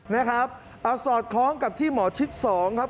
นะครับเอาสอดคล้องกับที่หมอชิด๒ครับ